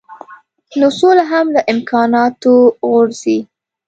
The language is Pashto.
نو سوله هم له امکاناتو غورځي.